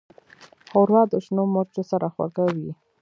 ښوروا د شنو مرچو سره خوږه وي.